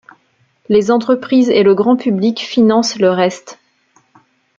Les entreprises et le grand public financent le reste.